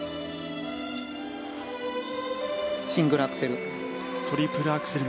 シングルアクセル。